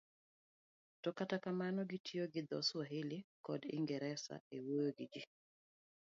to kata kamano gitiyo gi dho Swahili kod Ingresa e wuoyo gi ji.